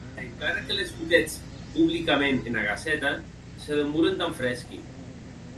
Encara que les botetz publicament ena Gaceta, se demoren tan fresqui.